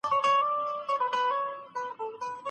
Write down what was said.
محیط مو بدل کړئ ترڅو پرمختګ وکړئ.